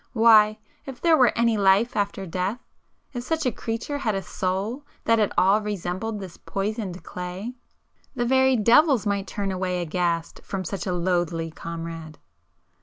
Why if there were any life after death,—if such a creature had a soul that at all resembled this poisoned clay, the very devils might turn away aghast from such a loathly comrade!"